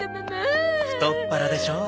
「太っ腹」でしょ？